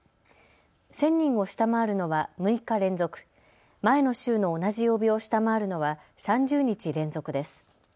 １０００人を下回るのは６日連続、前の週の同じ曜日を下回るのは３０日連続です。